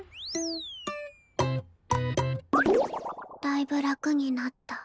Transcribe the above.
だいぶ楽になった。